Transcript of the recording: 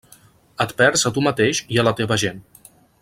Et perds a tu mateix i a la teva gent.